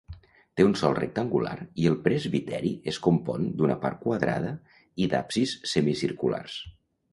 Té un sòl rectangular i el presbiteri es compon d'una part quadrada i d'absis semicirculars.